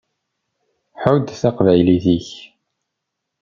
Ḥudd taqbaylit-ik.